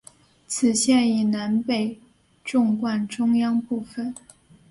此线以南北纵贯中央部分。